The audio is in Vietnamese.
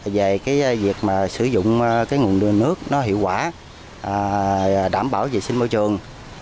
về việc sử dụng nguồn nước nó hiệu quả đảm bảo vệ sinh môi trường